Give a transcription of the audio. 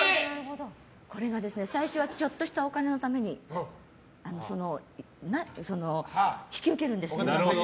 これが、最初はちょっとしたお金のために引き受けるんですけど。